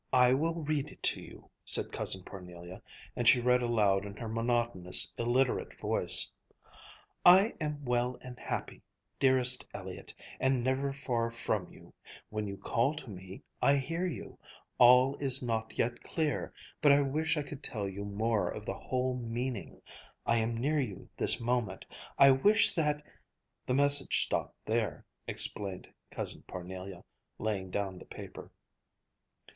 "I will read it to you," said Cousin Parnelia, and she read aloud in her monotonous, illiterate voice: "'I am well and happy, dearest Elliott, and never far from you. When you call to me, I hear you. All is not yet clear, but I wish I could tell you more of the whole meaning. I am near you this moment. I wish that ' The message stopped there," explained Cousin Parnelia, laying down the paper.